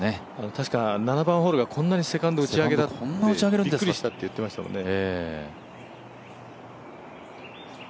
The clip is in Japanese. たしか７番ホールがこんなにセカンド打ち上げだってびっくりしたと言っていましたもんね。